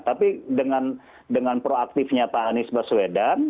tapi dengan proaktifnya pak anies baswedan